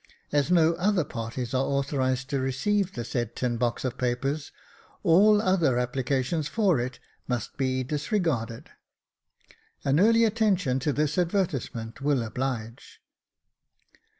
As no other parties are authorised to receive the said tin box of papers, all other applications for it must be dis regarded. An early attention to this advertisement will oblige."